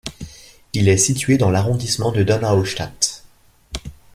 Il est situé dans l'arrondissement de Donaustadt.